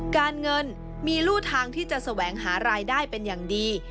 การเงินมีรูทางที่จะแสวงหารายได้เป็นอย่างดี